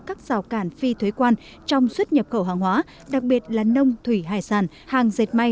các rào cản phi thuế quan trong xuất nhập khẩu hàng hóa đặc biệt là nông thủy hải sản hàng dệt may